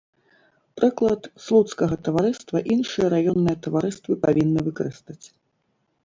Прыклад слуцкага таварыства іншыя раённыя таварыствы павінны выкарыстаць.